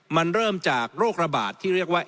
มันเริ่มจากโรคระบาดที่เรียกว่า